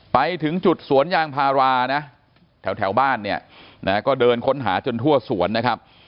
ไปถึงจุดสวนยางพารานะแถวบ้านเนี่ยนะก็เดินค้นหาจนทั่วสวนนะครับ